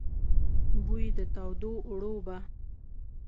بوی د تودو اوړو به،